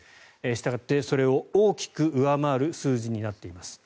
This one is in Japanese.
したがって、それを大きく上回る数字になっています。